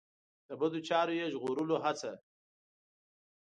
د بدو چارو یې ژغورلو هڅه.